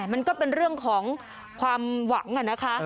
มันก็เป็นเรื่องของความหวังนะคะ